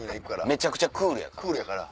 めちゃくちゃクールやから。